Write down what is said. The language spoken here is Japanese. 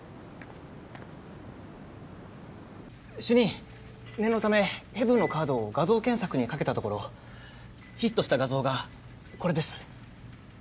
主任念のためヘヴンのカードを画像検索にかけたところヒットした画像がこれです。